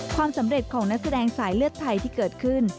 ความสำเร็จของนักแสดงสายเลือดไทยที่เกิดขึ้น